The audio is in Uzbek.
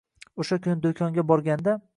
O'sha kuni do'konga borganda